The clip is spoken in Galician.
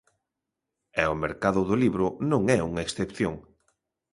E o mercado do libro non é unha excepción.